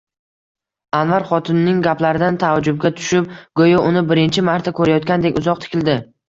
Anvar xotinining gaplaridan taajjubga tushib, go`yo uni birinchi marta ko`rayotgandek uzoq tikildi